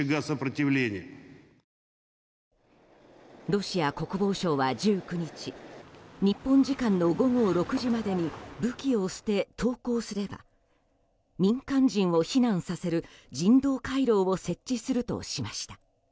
ロシア国防省は１９日日本時間の午後６時までに武器を捨て、投降すれば民間人を避難させる人道回廊を設置するとしました。